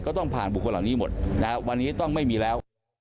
ต้องผ่านบุคคลเหล่านี้หมดนะครับวันนี้ต้องไม่มีแล้ว